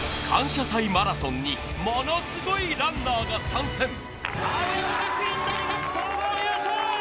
感謝祭マラソンにものすごいランナーが参戦。